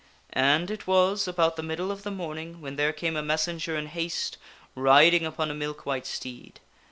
And it was about the middle of the morning when there came a messenger in haste riding upon a milk white steed.